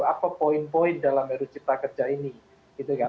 apa poin poin dalam erudita kerja ini gitu ya